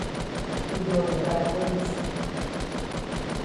— йодо тракторист.